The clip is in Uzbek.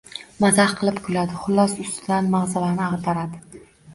Mazax qilib kuladi, xullas ustidan magʻzavani agʻdaradi.